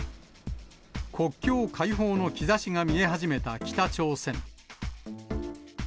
国境開放の兆しが見え始めた北朝鮮。